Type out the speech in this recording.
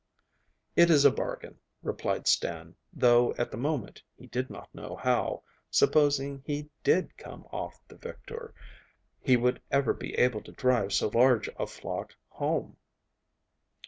'It is a bargain,' replied Stan, though at the moment he did not know how, supposing he DID come off the victor, he would ever be able to drive so large a flock home.